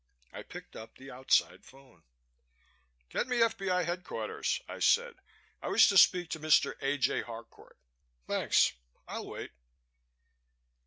I picked up the outside phone. "Get me F.B.I. Headquarters," I said. "I wish to speak to Mr. A. J. Harcourt. Thanks, I'll wait."